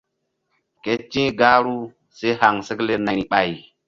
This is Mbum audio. Ke ti̧h gahru si haŋsekle nayri ɓay.